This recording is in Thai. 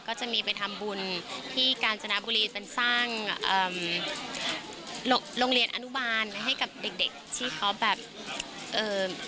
ก็จะมีไปทำบุญที่กาญจนบุรีเป็นสร้างเอ่อโรงเรียนอนุบาลให้กับเด็กเด็กที่เขาแบบเอ่อ